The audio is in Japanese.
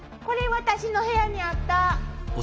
これ私の部屋にあった！